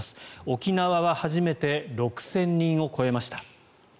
沖縄は初めて６０００人を超えました。